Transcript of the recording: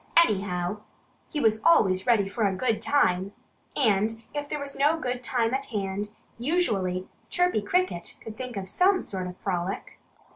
Anyhow, he was always ready for a good time. And if there was no good time at hand, usually Chirpy Cricket could think of some sort of frolic.